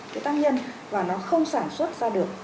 cái tác nhân và nó không sản xuất ra được